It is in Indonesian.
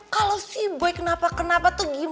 kalau si boy kenapa kenapa tuh gimana